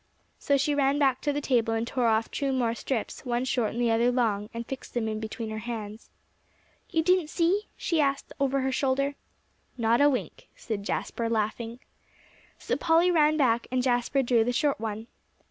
So she ran back to the table and tore off two more strips, one short and the other long, and fixed them in between her hands. "You didn't see?" she asked over her shoulder. "Not a wink," said Jasper, laughing. So Polly ran back, and Jasper drew the short one.